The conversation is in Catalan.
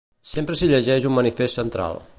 Sempre s’hi llegeix un manifest central.